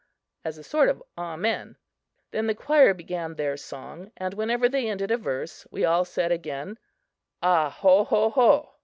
as a sort of amen. Then the choir began their song and whenever they ended a verse, we all said again "A ho ho ho!"